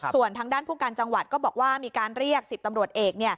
ส่วนทางด้านผู้การจังหวัดก็บอกว่ามีการเรียก๑๐ตำรวจเอก